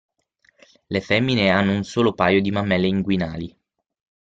Le femmine hanno un solo paio di mammelle inguinali.